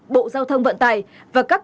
bộ giao thông vận tài và các